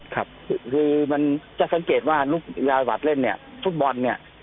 ครับคือมันจะสังเกตว่าลูกยาหวัดเล่นเนี่ยฟุตบอลเนี่ย